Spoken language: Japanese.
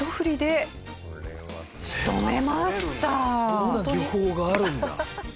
そんな漁法があるんだ。